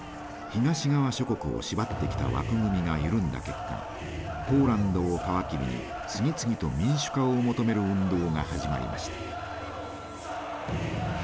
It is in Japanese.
東側諸国を縛ってきた枠組みが緩んだ結果ポーランドを皮切りに次々と民主化を求める運動が始まりました。